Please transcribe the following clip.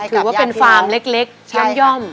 ถือว่าเป็นฟาร์มเล็กย่อม